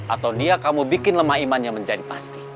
atau dia kamu bikin lemah imannya menjadi pasti